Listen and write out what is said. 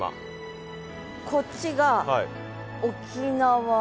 こっちが沖縄？